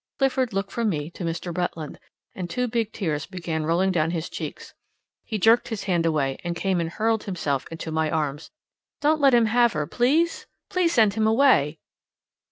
Clifford looked from me to Mr. Bretland, and two big tears began rolling down his cheeks. He jerked his hand away and came and hurled himself into my arms. "Don't let him have her! Please! Please! Send him away!"